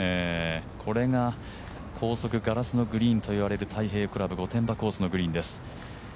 これが高速ガラスのグリーンといわれている太平洋クラブ御殿場コースのグリーンです。